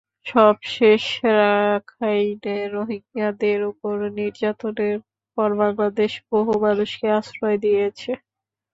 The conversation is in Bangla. সবশেষ রাখাইনে রোহিঙ্গাদের ওপর নির্যাতনের পর বাংলাদেশ বহু মানুষকে আশ্রয় দিয়েছে।